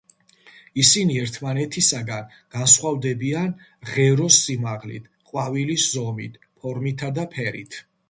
ისინი ერთმანეთისაგან განსხვავდებიან ღეროს სიმაღლით, ყვავილის ზომით, ფორმითა და ფერით.